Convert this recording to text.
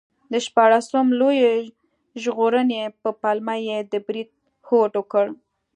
د شپاړسم لویي ژغورنې په پلمه یې د برید هوډ وکړ.